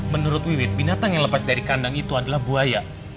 menurut wiwit binatang yang lepas dari kandang itu adalah buaya